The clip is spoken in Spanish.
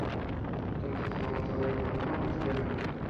Entonces, subamos a bordo. ¡ no, espera!